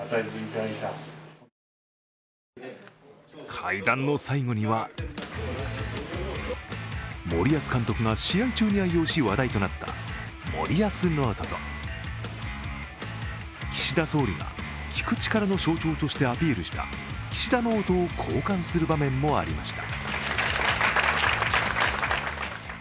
会談の最後には森保監督が試合中に愛用し、話題となった森保ノートと岸田総理が聞く力の象徴としてアピールした岸田ノートを交換する場面もありました。